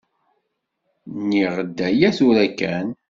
Nniɣ-d aya tura kan?